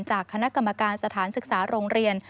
จากคณะกรรมการสถานศึกษาโรงเรียน